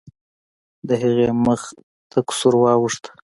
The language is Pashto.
د هغې مخ تک سور واوښت.